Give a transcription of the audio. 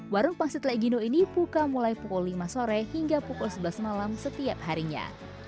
warung pangsit legino ini buka mulai pukul lima sore hingga pukul sebelas malam setiap harinya